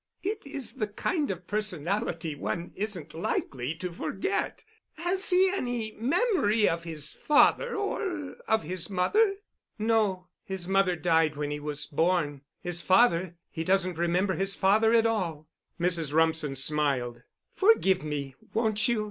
"It is the kind of personality one isn't likely to forget. Has he any memory of his father or—of his mother?" "No. His mother died when he was born. His father—he doesn't remember his father at all." Mrs. Rumsen smiled. "Forgive me, won't you?